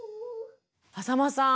淺間さん